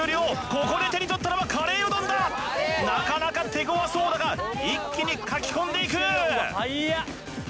ここで手に取ったのはカレーうどんだなかなか手ごわそうだが一気にかき込んでいくうわっ速っ